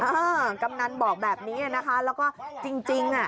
กำนันบอกแบบนี้นะคะแล้วก็จริงจริงอ่ะ